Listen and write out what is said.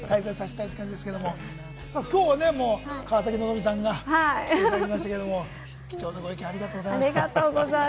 今日はね、川崎希さんが来ていただきましたけど、貴重なご意見ありがとうございました。